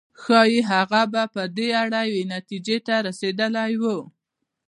ښايي هغه به په دې اړه یوې نتيجې ته رسېدلی و.